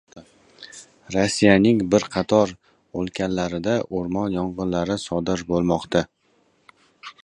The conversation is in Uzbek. Rossiyaning bir qator o‘lkalarida o‘rmon yong‘inlari sodir bo‘lmoqda